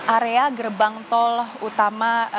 area gerbang tol utama